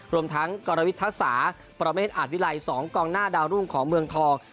รวมทั้งกรวิทยาศาปรเมฆอาจวิลัย๒กองหน้าดาวรุ่งของเมืองทอง